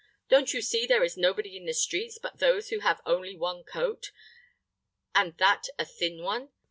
Don't you see there is nobody in the street but those who have only one coat, and that a thin one.